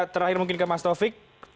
terakhir mungkin ke mas taufik